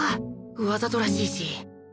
わざとらしいし